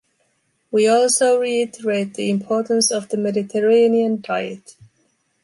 We also reiterate the importance of the Mediterranean diet.